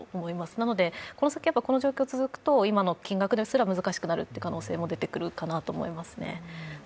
なのでこの先、この状況が続くと、今の金額ですら難しくなる可能性も出てくるかなと思いますね。